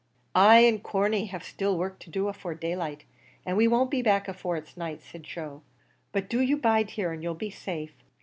"I an' Corney have still work to do afore daylight, an' we won't be back afore it's night," said Joe, "but do you bide here, an' you'll be safe.